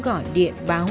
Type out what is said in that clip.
gọi điện báo